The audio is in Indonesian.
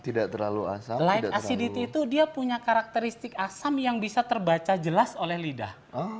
light acidity itu dia punya karakteristik asam yang bisa terbaca jelas oleh lidah